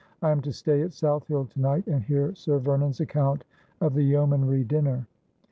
'I am to stay at South Hill to night, and hear Sir Vernon's account of the Yeomanry dinner.'